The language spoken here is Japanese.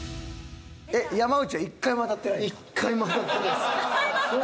えっ山内は１回も当たってないん？